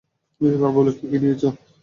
এবার বলো কী কী নিয়েছ?